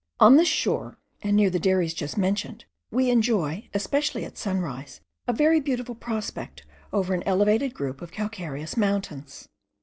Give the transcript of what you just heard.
On this shore, and near the dairies just mentioned, we enjoy, especially at sunrise, a very beautiful prospect over an elevated group of calcareous mountains.